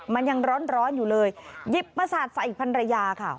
มันยังร้อนอยู่เลยหยิบมาสาดใส่พันรยาค่ะ